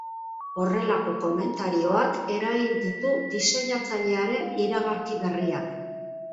Horrelako komentarioak eragin ditu diseinatzailearen iragarki berriak.